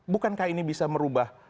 bukankah ini bisa merubah